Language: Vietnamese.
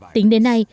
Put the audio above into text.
tính đến nay